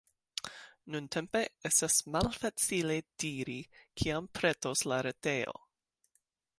Nuntempe, estas malfacile diri kiam pretos la retejo.